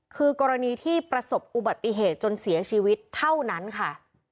คือกรณีที่ประสบอุบัติเหตุจนเสียชีวิตเท่านั้นค่ะ